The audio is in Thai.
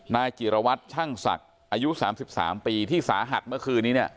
นายจิรวัตรช่างศักดิ์อายุ๓๓ปีที่สาหัสเมื่อคืนนี้เนี่ย